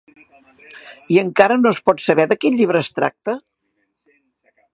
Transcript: I encara no es pot saber de quin llibre es tracta?